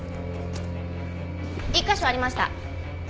１カ所ありました。